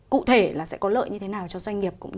cụ thể là sẽ có lợi như thế nào cho doanh nghiệp